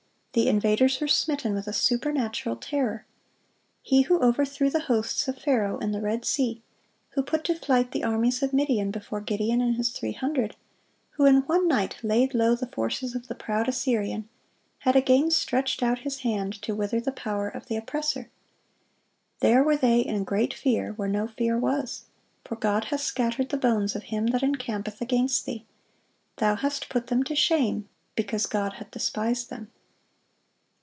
The invaders were smitten with a supernatural terror. He who overthrew the hosts of Pharaoh in the Red Sea, who put to flight the armies of Midian before Gideon and his three hundred, who in one night laid low the forces of the proud Assyrian, had again stretched out His hand to wither the power of the oppressor. "There were they in great fear, where no fear was: for God hath scattered the bones of him that encampeth against thee: thou hast put them to shame, because God hath despised them."